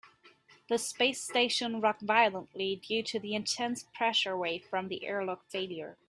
The space station rocked violently due to the intense pressure wave from the airlock failure.